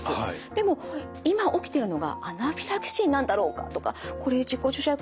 でも今起きてるのがアナフィラキシーなんだろうかとかこれ自己注射薬